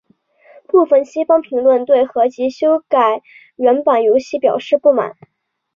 部分西方评论对合辑修改原版游戏表示不满。